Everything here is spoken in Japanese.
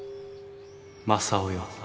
正雄よ